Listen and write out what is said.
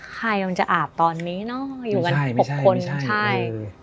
ใครมันจะอาบตอนนี้เนอะอยู่กัน๖คนใช่